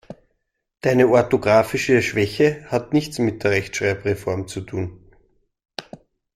Deine orthografische Schwäche hat nichts mit der Rechtschreibreform zu tun.